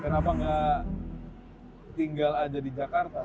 kenapa nggak tinggal aja di jakarta